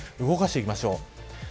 動かしていきましょう。